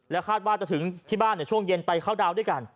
คาดว่าจะถึงที่บ้านช่วงเย็นไปเข้าดาวน์ด้วยกัน